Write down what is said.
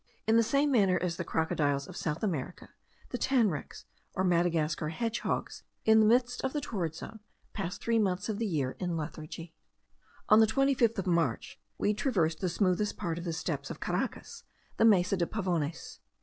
In the same manner as the crocodiles of South America, the tanrecs, or Madagascar hedgehogs, in the midst of the torrid zone, pass three months of the year in lethargy. On the 25th of March we traversed the smoothest part of the steppes of Caracas, the Mesa de Pavones.